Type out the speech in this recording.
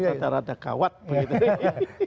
rada rada kawat begitu